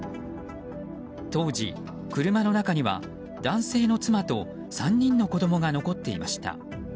当時、車の中には男性の妻と３人の子供が残っていました。